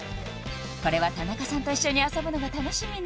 これは田中さんと一緒に遊ぶのが楽しみね